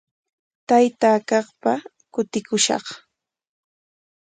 Taytaa kaqpa kutikushaq.